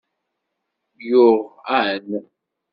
Yuɣ Ann.